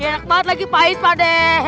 ih enak banget lagi pahit pade